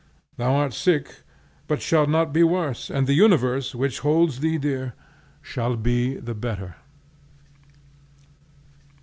Thou art sick, but shalt not be worse, and the universe, which holds thee dear, shall be the better.